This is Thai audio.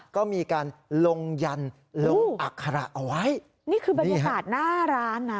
ก็มีการลงยันลงอัคระเอาไว้นี่คือบรรยากาศหน้าร้านนะ